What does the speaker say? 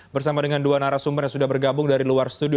bersama dengan dua narasumber yang sudah bergabung dari luar studio